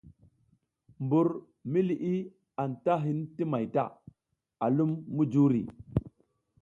Mbur mi liʼi anta hin ti may ta, a lum mujuri.